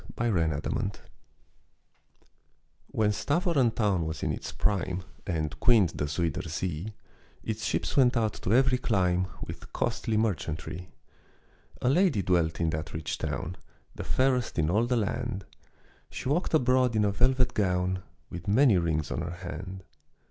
THE PROUD LADY When Stävoren town was in its prime And queened the Zuyder Zee, Its ships went out to every clime With costly merchantry. A lady dwelt in that rich town, The fairest in all the land; She walked abroad in a velvet gown, With many rings on her hand.